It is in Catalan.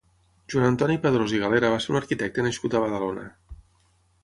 Joan Antoni Padrós i Galera va ser un arquitecte nascut a Badalona.